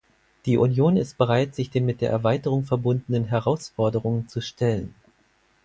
Die Union ist bereit, sich den mit der Erweiterung verbundenen Herausforderungen zu stellen.